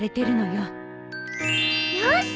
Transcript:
よし！